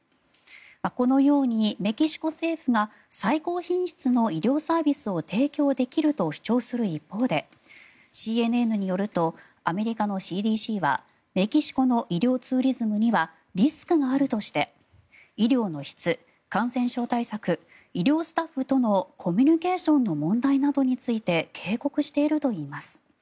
このように、メキシコ政府が最高品質の医療サービスを提供できると主張する一方でＣＮＮによるとアメリカのＣＤＣはメキシコの医療ツーリズムにはリスクがあるとして医療の質、感染症対策医療スタッフとのコミュニケーションの問題などについて警告しているといいます。